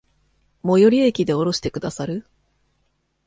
最寄駅で降ろしてくださる？